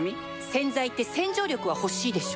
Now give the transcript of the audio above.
洗剤って洗浄力は欲しいでしょ